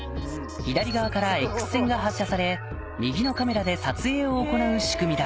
左側からＸ線が発射され右のカメラで撮影を行う仕組みだ。